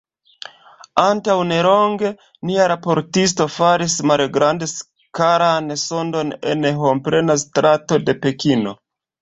Antaŭ nelonge, nia raportisto faris malgrandskalan sondon en homplena strato de Pekino.